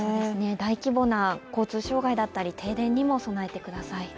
大規模な交通障害だったり停電にも備えてください。